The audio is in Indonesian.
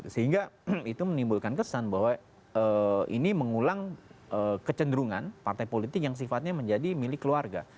sehingga itu menimbulkan kesan bahwa ini mengulang kecenderungan partai politik yang sifatnya menjadi milik keluarga